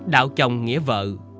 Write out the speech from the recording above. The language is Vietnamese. đạo chồng nghĩa vợ